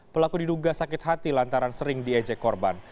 pelaku diduga sakit hati lantaran sering diejek korban